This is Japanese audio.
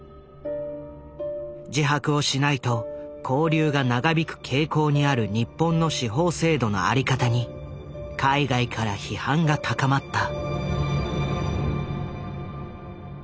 自白をしないと勾留が長引く傾向にある日本の司法制度の在り方に海外から批判が高まった。